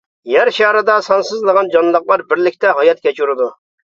يەر شارىدا سانسىزلىغان جانلىقلار بىرلىكتە ھايات كەچۈرىدۇ.